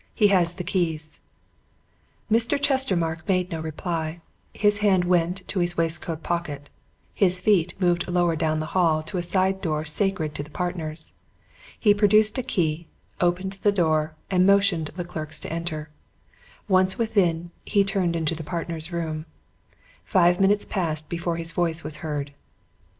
"He has the keys." Mr. Chestermarke made no reply. His hand went to his waistcoat pocket, his feet moved lower down the hall to a side door sacred to the partners. He produced a key, opened the door, and motioned the clerks to enter. Once within, he turned into the partners' room. Five minutes passed before his voice was heard.